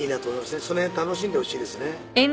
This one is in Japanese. その辺楽しんでほしいですね。